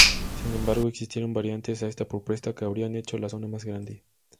Sin embargo existieron variantes a esta propuesta que habrían hecho la zona más grande.